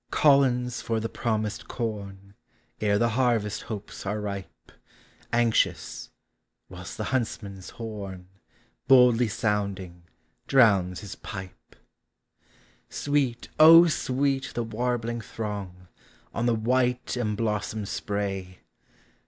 Colin 's for the promised corn (Ere the harvest hopes arc ripe) Anxious;— whilst the huntsman's horn, Boldly sounding, drowns his pipe Sweet, sweet, the warbling throng, On the white emblossomed spray